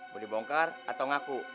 mau dibongkar atau ngaku